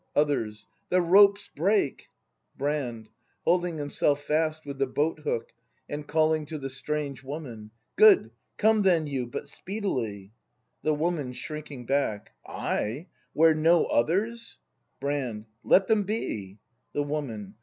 Others. The ropes break! Brand. [Holding himself fast with the boat hook, and calling to the strange Woman.] Good; come then you; but speedily! The Woman. [Shrinking hack.] I! Where no others ! Brand. Let them be! The Woman.